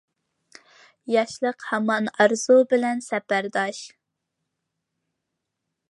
ياشلىق ھامان ئارزۇ بىلەن سەپەرداش.